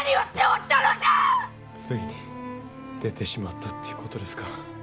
ついに出てしまったということですか。